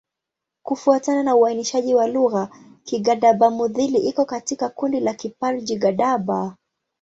Kufuatana na uainishaji wa lugha, Kigadaba-Mudhili iko katika kundi la Kiparji-Gadaba.